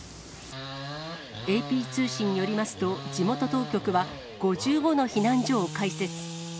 ＡＰ通信によりますと、地元当局は５５の避難所を開設。